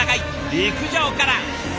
陸上から！